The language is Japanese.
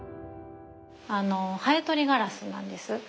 あのハエ取りガラスなんです。